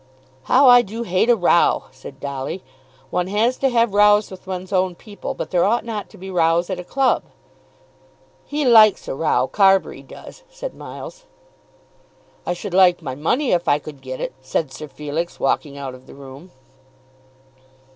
"How I do hate a row!" said Dolly. "One has to have rows with one's own people, but there ought not to be rows at a club." "He likes a row, Carbury does," said Miles. "I should like my money, if I could get it," said Sir Felix, walking out of the room.